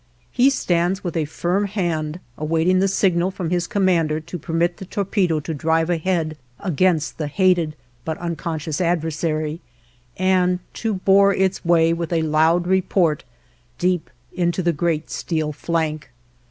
He stands with a firm hand awaiting the signal from his commander to permit the torpedo to drive ahead against the hated, but unconscious adversary, and to bore its way with a loud report deep into the great steel flank.